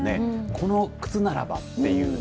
この靴ならばっていうね。